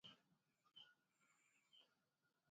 A ga-emekwara onye ọbụla omenala nke ya.